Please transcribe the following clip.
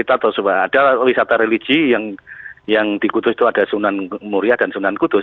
ada wisata religi yang di kudus itu ada sunan muria dan sunan kudus